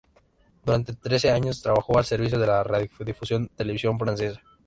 Durante trece años trabajó al servicio de la Radiodifusión-Televisión Francesa.